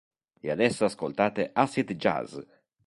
E adesso ascoltate acid jazz!